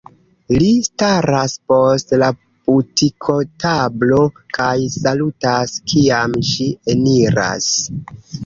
Li staras post la butikotablo kaj salutas, kiam ŝi eniras.